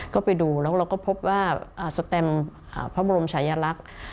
ก็ไปดูแล้วเราก็พบว่าสแตมพระบรมชายลักษณ์